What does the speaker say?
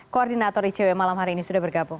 koordinator icw malam hari ini sudah bergabung